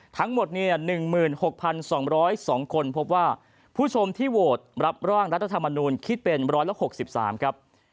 ทั้งหมด๑๖๒๐๒คนพบว่าผู้ชมที่โหวตรับร่างรัฐธรรมนูลคิดเป็น๑๖๓ครับ